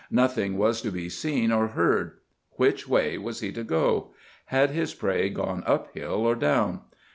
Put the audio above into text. Nothing was to be seen or heard. Which way was he to go? Had his prey gone up hill or down?